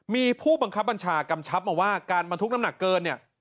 มีผู้บังคับบัญชากำชับมาว่าการบรรทุกน้ำหนักเกินเนี่ย